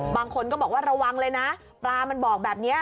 บางคนก็บอกว่าระวังเลยนะปลามันบอกแบบนี้